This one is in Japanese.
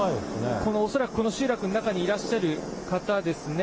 恐らくこの集落の中にいらっしゃる方ですね。